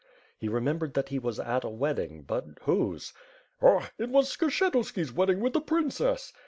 He remem bered he was at a wedding, — ^but whose? "Ha! It was Skshetuski's wedding with the princess.'